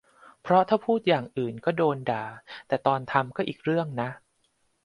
เพราะถ้าพูดอย่างอื่นก็โดนด่า แต่ตอนทำก็อีกเรื่องนะ